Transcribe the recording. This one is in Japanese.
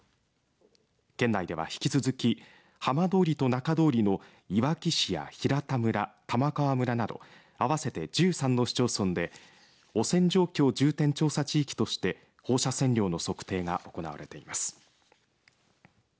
県内では引き続き浜通りと中通りのいわき市や平田村玉川村など合わせて１３の市町村で汚染状況重点調査地域として放射線量の測定が行われています。